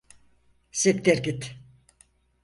Siktir git!